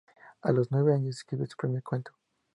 A los nueve años, escribió su primer cuento.